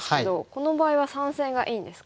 この場合は３線がいいんですか？